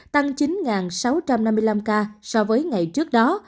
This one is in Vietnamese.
tăng chín sáu trăm năm mươi năm ca so với ngày trước đó